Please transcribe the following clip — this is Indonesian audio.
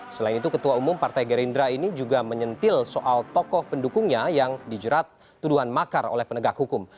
selain itu ketua umum partai gerindra ini juga menyentil soal tokoh pendukungnya yang dijerat tuduhan makar oleh penegak hukum